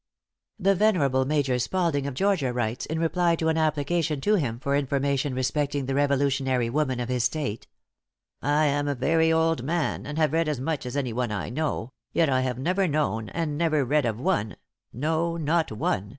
The venerable Major Spalding, of Georgia, writes, in reply to an application to him for information respecting the revolutionary women of his state: "I am a very old man, and have read as much as any one I know, yet I have never known, and never read of one no, not one!